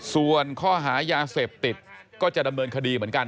ส่วนข้อหายาเสพติดก็จะดำเนินคดีเหมือนกัน